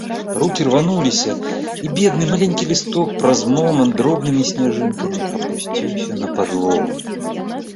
Рукі рвануліся, і бедны маленькі лісток праз момант дробнымі сняжынкамі апусціўся на падлогу.